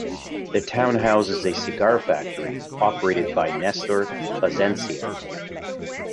The town houses a cigar factory operated by Nestor Plasencia.